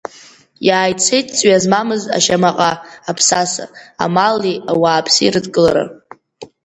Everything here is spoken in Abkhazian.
Иааицеит ҵҩа змамыз ашьамаҟа, аԥсаса, амали ауааԥси рыдкыла.